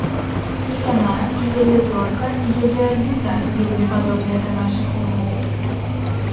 І яна, і яе зорка, і яе арбіта вельмі падобныя да нашых умоў.